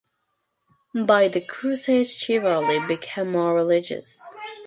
By the Crusades chivalry became more religious.